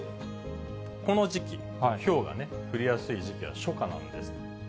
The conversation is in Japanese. この時期、ひょうがね、降りやすい時期は初夏なんです。